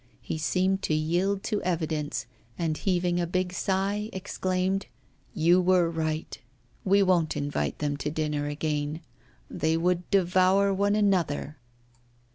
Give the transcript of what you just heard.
He seemed to yield to evidence, and, heaving a big sigh, exclaimed: 'You were right. We won't invite them to dinner again they would devour one another.